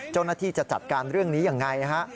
เจ้าหน้าที่จะจัดการเรื่องนี้อย่างไรฮะ